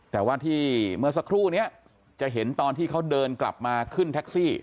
แต่ว่าที่เมื่อสักครู่นี้จะเห็นตอนที่เขาเดินกลับมาขึ้นแท็กซี่